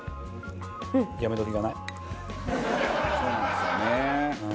そうなんですよね。